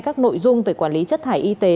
các nội dung về quản lý chất thải y tế